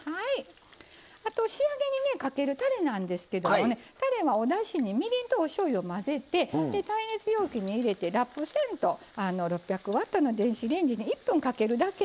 あと仕上げにねかけるたれなんですけどもねたれはおだしにみりんとおしょうゆを混ぜて耐熱容器に入れてラップせんと６００Ｗの電子レンジに１分かけるだけ。